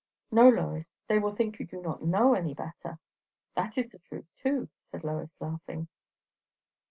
"No, Lois; they will think you do not know any better." "That is the truth too," said Lois, laughing.